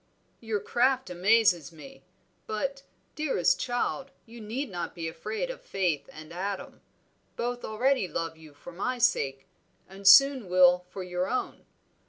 "Your craft amazes me. But, dearest child, you need not be afraid of Faith and Adam. Both already love you for my sake, and soon will for your own.